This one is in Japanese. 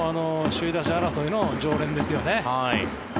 首位打者争いの常連ですよね。